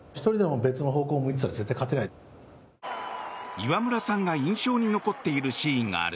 岩村さんが印象に残っているシーンがある。